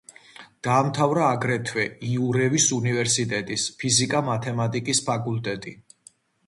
დაამთავრა აგრეთვე იურევის უნივერსიტეტის ფიზიკა-მათემატიკის ფაკულტეტი.